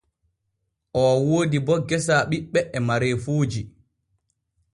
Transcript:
Oo woodi bo gesa ɓiɓɓe e mareefuuji.